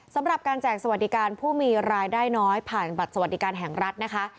สำหรับการแจกสวัสดิการผู้มีรายได้น้อยผ่านบัตรสวัสดิการแห่งรัฐนะคะ